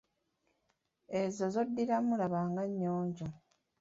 Ezo zoddiramu laba nga nnyonjo.